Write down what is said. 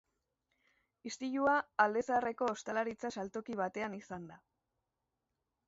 Istilua alde zaharreko ostalaritza saltoki baten izan da.